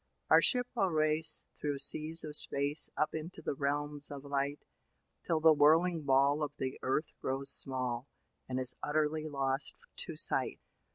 Our ship will race through seas of space Up into the Realms of Light, Till the whirling ball of the earth grows small, And is utterly lost to sight.